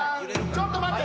ちょっと待って！